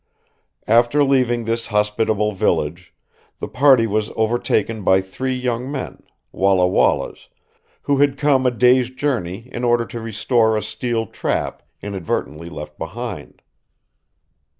After leaving this hospitable village, the party was overtaken by three young men, Walla Wallas, who had come a day's journey in order to restore a steel trap, inadvertently left behind.